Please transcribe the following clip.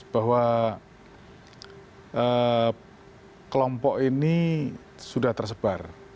bahwa kelompok ini sudah tersebar